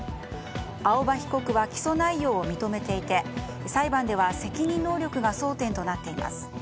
青葉被告は起訴内容を認めていて裁判では責任能力が争点となっています。